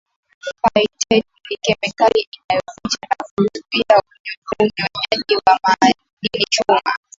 Phytate ni kemikali inayoyaficha na kuzuia unyonyaji wa madini chuma